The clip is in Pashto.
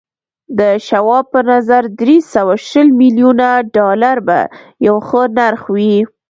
د شواب په نظر دري سوه شل ميليونه ډالر به يو ښه نرخ وي.